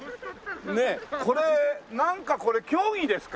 ねえなんかこれ競技ですか？